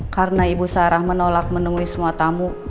karena ibu sara menolak menemui semua tamu